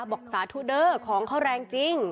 สาธุเดอร์ของเขาแรงจริง